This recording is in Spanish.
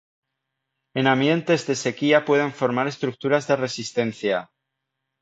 En ambientes de sequía pueden formar estructuras de resistencia.